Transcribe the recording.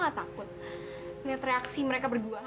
lo gak takut lihat reaksi mereka berdua hah